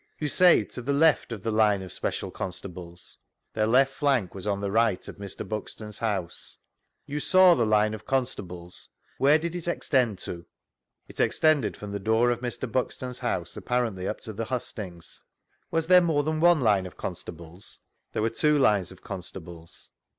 You say to the left of the line of special con stables ?— Their left flank was on the right of Mr. Buxton's bouse. You saw the line of constables; where did it extend to?— It extended from the door of Mr. Buxton's house, apparently up to the hustings. Was there more than one line of constables? — There were two lines of constables.